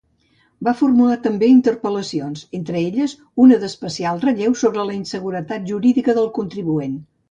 Va formular també interpel·lacions, entre elles, una d'especial relleu sobre la inseguretat jurídica del contribuent.